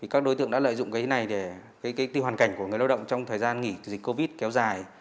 các đối tượng đã lợi dụng cái này để tiêu hoàn cảnh của người lao động trong thời gian nghỉ dịch covid kéo dài